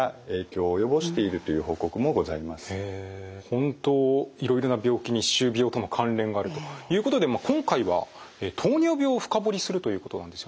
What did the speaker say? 本当いろいろな病気に歯周病との関連があるということで今回は糖尿病を深掘りするということなんですよね。